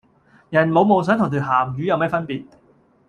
人冇夢想同條咸魚有咩分別?